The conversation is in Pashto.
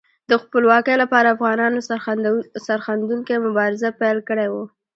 د خپلواکۍ لپاره افغانانو سرښندونکې مبارزه پیل کړې وه.